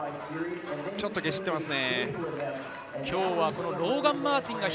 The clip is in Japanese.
ちょっとゲシってますね。